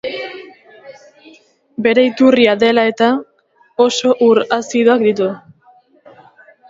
Bere iturria dela eta, oso ur azidoak ditu.